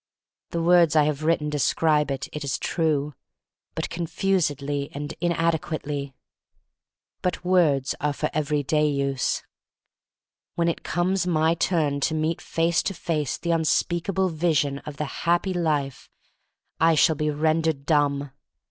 The words I have written describe it, it is true, — but confusedly and inade quately. But words are for everyday use. When it comes my turn to meet face to face the unspeakable vision of the Happy Life I shall be rendered dumb.